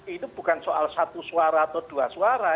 itu bukan soal satu suara atau dua suara